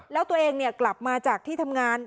แล้วตัวเองกลับมาจากที่ทำงาน